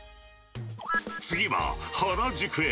次は、原宿へ。